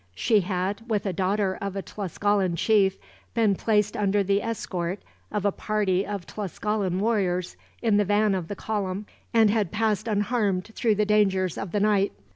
She had, with a daughter of a Tlascalan chief, been placed under the escort of a party of Tlascalan warriors, in the van of the column, and had passed unharmed through the dangers of the night.